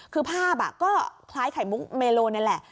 คือภาพก็คล้ายไข่มุกเมโลนี่แหละ